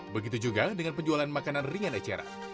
begitu juga dengan penjualan makanan ringan eceran